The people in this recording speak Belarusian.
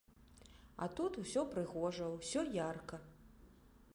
А тут усё прыгожа, усё ярка.